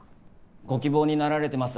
ご希望になられてます